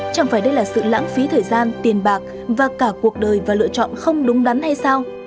chẳng phải đây là sự lãng phí thời gian tiền bạc và cả cuộc đời và lựa chọn không đúng đắn hay sao